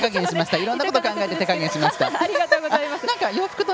いろんなこと考えて手加減しました。